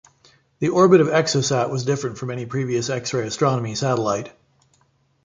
The orbit of Exosat was different from any previous X-ray astronomy satellite.